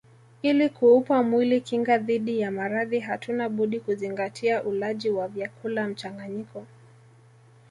Ili kuupa mwili kinga dhidi ya maradhi hatuna budi kuzingatia ulaji wa vyakula mchanganyiko